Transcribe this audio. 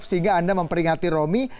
sehingga anda memperingati romi